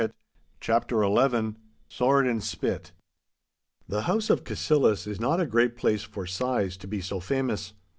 *CHAPTER XI* *SWORD AND SPIT* The house of Cassillis is not a great place for size, to be so famous.